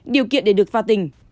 điều kiện để được vào tỉnh